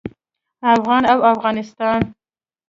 افغان او افغانستان